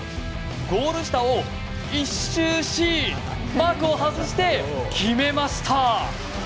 ゴール下を１周しマーク外して決めます。